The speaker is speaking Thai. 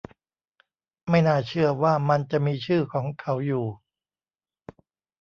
ไม่น่าเชื่อว่ามันจะมีชื่อของเขาอยู่